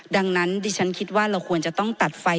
ดังนั้นดิฉันคิดว่าเราควรจะต้องตัดไฟ